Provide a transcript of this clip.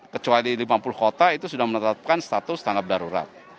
kecuali di lima puluh kota itu sudah menetapkan status tanggap darurat